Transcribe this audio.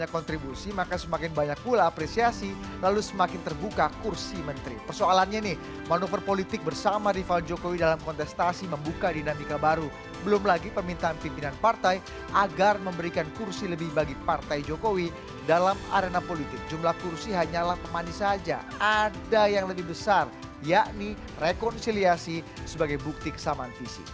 kursi hanyalah pemanis saja ada yang lebih besar yakni rekonsiliasi sebagai bukti kesamaan visi